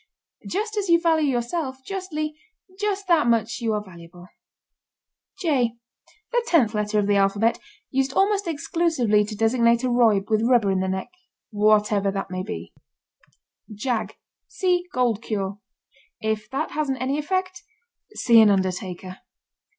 Just as you value yourself justly just that much are you valuable. ### J: The tenth letter of the alphabet, used almost exclusively to designate a Reub with rubber in the neck whatever that may be. ### [Illustration: JAY] JAG. See gold cure. If that hasn't any effect, see an undertaker.